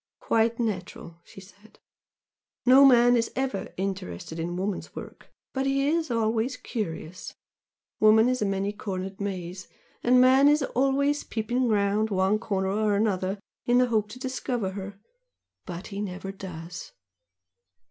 "Quite natural!" she said "No man is ever 'interested' in woman's work, but he is always 'curious.' Woman is a many cornered maze and man is always peeping round one corner or another in the hope to discover her but he never does!"